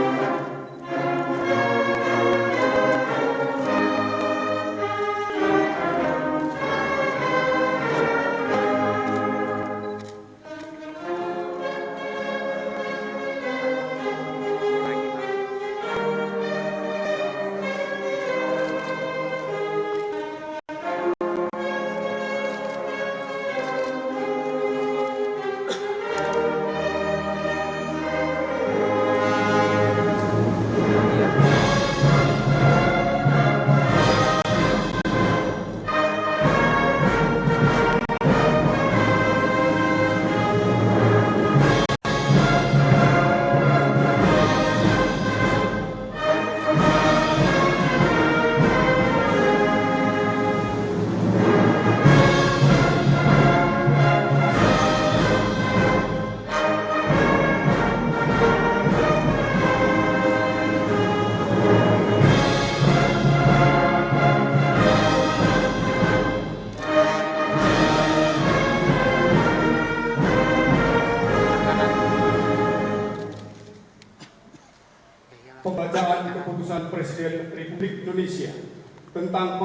lalu kebangsaan indonesia baik